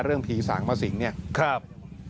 เรื่องผีสางเมาสิงเนี่ยครับ